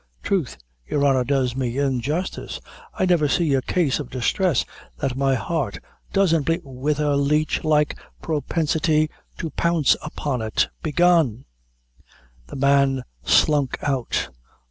"Troth, your honor does me injustice; I never see a case of distress that my heart doesn't bleed " "With a leech like propensity to pounce upon it. Begone!" The man slunk out.